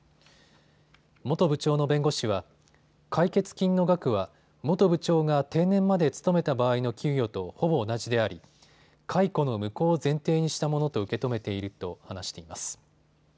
元部長の弁護士は解決金の額は元部長が定年まで勤めた場合の給与とほぼ同じであり、解雇の無効を前提にしたものと受け止めていると話しています。